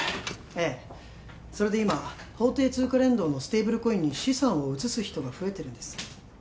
ええそれで今法定通貨連動のステーブルコインに資産を移す人が増えてるんです